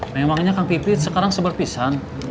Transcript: memangnya kang pipit sekarang seberpisan